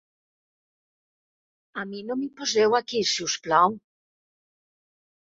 A mi no m'hi poseu aquí, si us plau.